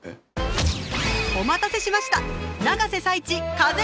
お待たせしました。